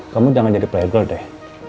kamu jangan jadi player deh